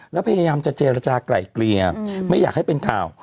แล้วพยายามจะเจรจากลายเกลี่ยไม่อยากให้เป็นข่าว